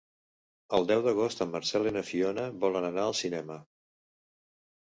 El deu d'agost en Marcel i na Fiona volen anar al cinema.